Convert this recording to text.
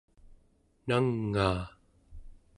nangaa